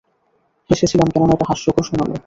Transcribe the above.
হেসেছিলাম কেননা এটা হাস্যকর শোনাল।